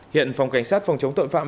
hiện phòng cảnh sát phòng chống tội phạm